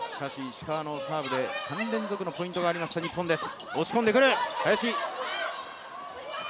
石川のサーブで３連続のポイントがありました日本です。